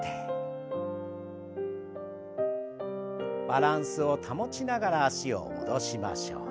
バランスを保ちながら脚を戻しましょう。